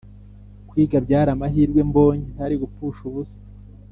Kwiga byari amahirwe mbonye ntari gupfusha ubusa.